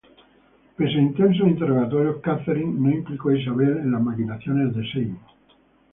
Pese a intensos interrogatorios, Catherine no implicó a Isabel en las maquinaciones de Seymour.